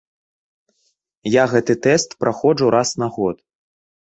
Я гэты тэст праходжу раз на год.